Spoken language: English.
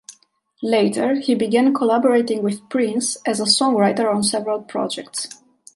Later, he began collaborating with Prince as a songwriter on several projects.